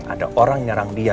ada orang nyerang dia